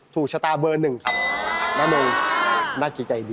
ถูกชะตาเบอร์หนึ่งครับ